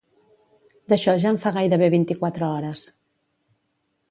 D'això ja en fa gairebé vint-i-quatre hores.